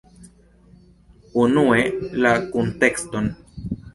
Unue la kuntekston.